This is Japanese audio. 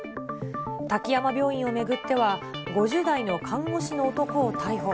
滝山病院を巡っては、５０代の看護師の男を逮捕。